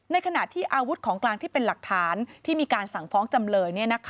ในขณะที่อาวุธของกลางที่เป็นหลักฐานที่มีการสั่งฟ้องจำเลย